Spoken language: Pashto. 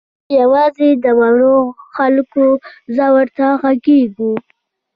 موږ یوازې د وړو خلکو ځور ته غږېږو.